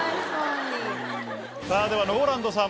ではＲＯＬＡＮＤさん。